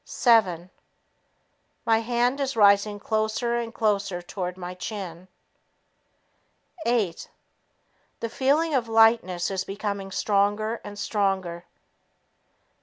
Seven ... My hand is rising closer and closer toward my chin. Eight ... The feeling of lightness is becoming stronger and stronger.